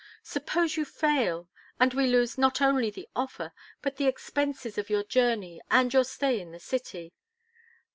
Suppose you fail, and we lose not only the offer, but the expenses of your journey and your stay in the city?"